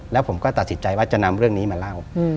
แล้วผมก็ตัดสินใจว่าจะนำเรื่องนี้มาเล่า